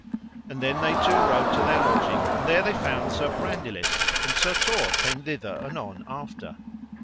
And then they two rode to their lodging, and there they found Sir Brandiles, and Sir Tor came thither anon after.